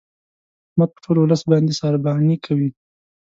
احمد په ټول ولس باندې سارباني کوي.